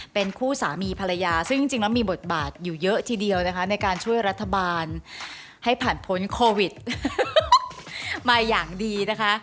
เป็นคู่สามีภรรยาซึ่งจริงแล้วมีบทบาทอยู่เยอะทีเดียวนะคะในการช่วยรัฐบาลให้ผ่านพ้นโควิดมาอย่างดีนะคะ